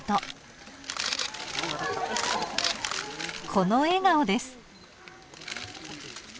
［この笑顔です］